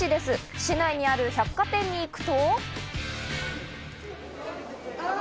市内にある百貨店に行くと。